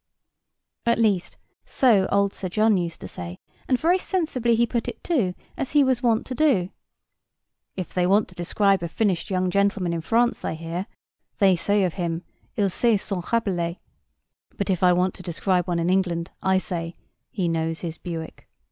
At least, so old Sir John used to say, and very sensibly he put it too, as he was wont to do: "If they want to describe a finished young gentleman in France, I hear, they say of him, 'Il sait son Rabelais.' But if I want to describe one in England, I say, 'He knows his Bewick.